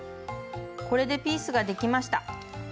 これでピースができました。